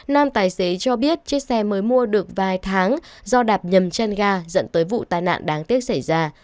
nam tài xế cho biết chiếc xe mới mua được vài tháng do đạp nhầm chân ga dẫn tới vụ tai nạn đáng tiếc xảy ra